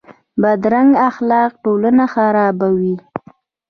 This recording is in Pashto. بدرنګه اخلاق ټولنه خرابوي